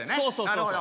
なるほど。